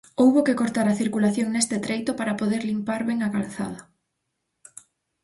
Houbo que cortar a circulación neste treito para poder limpar ben a calzada.